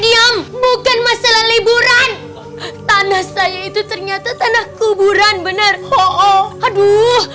diam bukan masalah liburan tanah saya itu ternyata tanah kuburan benar oh aduh